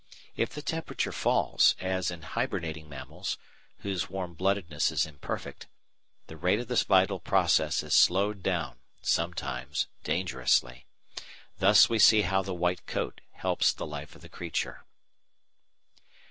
If the temperature falls, as in hibernating mammals (whose warm bloodedness is imperfect), the rate of the vital process is slowed down sometimes dangerously. Thus we see how the white coat helps the life of the creature.